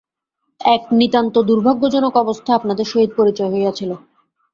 এক নিতান্ত দুর্ভাগ্যজনক অবস্থায় আপনাদের সহিত পরিচয় হইয়াছিল।